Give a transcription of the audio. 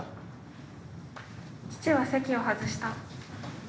「父は席を外した」。